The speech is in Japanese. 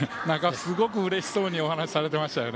すごくうれしそうに話していましたよね。